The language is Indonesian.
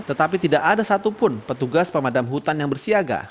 tetapi tidak ada satupun petugas pemadam hutan yang bersiaga